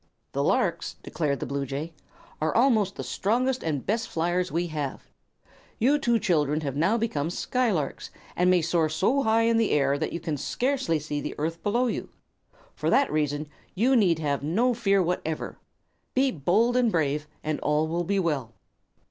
"The larks," declared the bluejay, "are almost the strongest and best flyers we have. You two children have now become skylarks, and may soar so high in the air that you can scarcely see the earth below you. For that reason you need have no fear whatever. Be bold and brave, and all will be well."